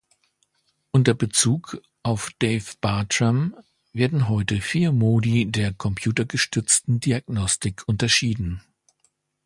Unter Bezug auf Dave Bartram werden heute vier Modi der computergestützten Diagnostik unterschieden.